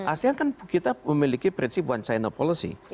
asean kan kita memiliki prinsip one china policy